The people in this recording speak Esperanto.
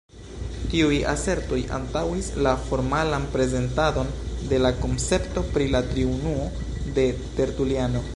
Tiuj asertoj antaŭis la formalan prezentadon de la koncepto pri la Triunuo de Tertuliano.